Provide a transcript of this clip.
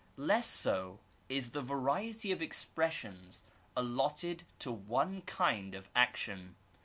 Less so is the variety of expressions allotted to one kind of action.